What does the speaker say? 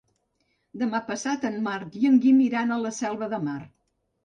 Demà passat en Marc i en Guim iran a la Selva de Mar.